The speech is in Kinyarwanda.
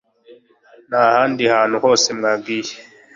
ntahandi hantu hose mwagiye